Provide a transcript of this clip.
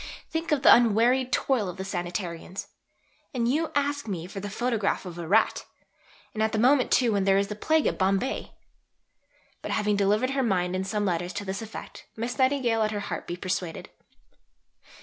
Think of the unwearied toil of the Sanitarians! And you ask me for the photograph of a rat! and at the moment too when there is the Plague at Bombay!" But having delivered her mind in some letters to this effect, Miss Nightingale let her heart be persuaded.